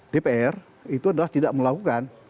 dpr itu adalah tidak melakukan